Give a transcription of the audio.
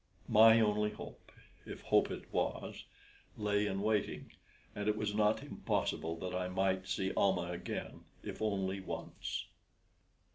My only hope, if hope it was, lay in waiting, and it was not impossible that I might see Almah again, if only once.